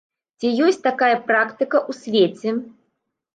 Ці ёсць такая практыка ў свеце?